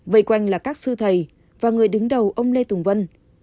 vây quanh là các sư thầy và người đứng đầu ông lê tùng vân